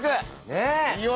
ねえ！